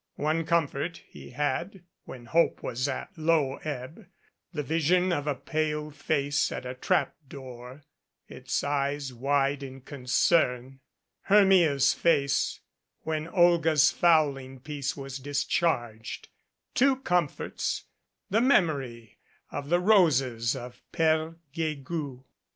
One comfort he had when hope was at low ebb the vision of a pale face at a trap door, its eyes wide in con cern Hermia's face when Olga's fowling piece was dis charged; two comforts the memory of the roses of Pere Guegou